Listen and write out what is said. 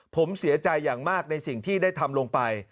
ผมเสียใจอย่างมากในสิ่งที่ได้ทำลงไป